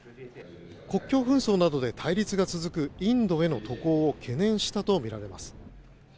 国境紛争などで対立が続くインドへの渡航を懸念したとみられます。